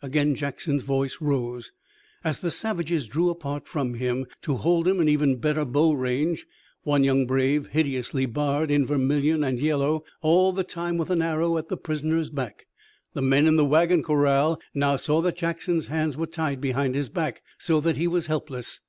Again Jackson's voice rose. As the savages drew apart from him, to hold him in even better bow range, one young brave, hideously barred in vermilion and yellow, all the time with an arrow at the prisoner's back, the men in the wagon corral now saw that Jackson's hands were tied behind his back, so that he was helpless.